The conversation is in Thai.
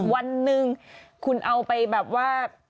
วันหนึ่งคุณเอาไปแบบว่า